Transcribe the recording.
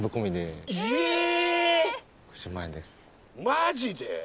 マジで？